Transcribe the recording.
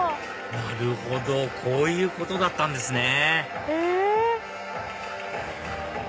なるほどこういうことだったんですね